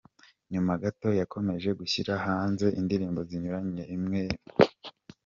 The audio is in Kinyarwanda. Nyuma gato yakomeje gushyira hanze indirimbo zinyuranye imwe, imwe.